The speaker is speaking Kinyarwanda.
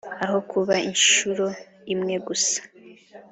aho kuba inshuro imwe gusa